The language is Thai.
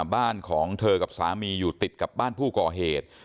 บ้านของเธอกับสามีอยู่ติดกับบ้านผู้ก่อเหตุ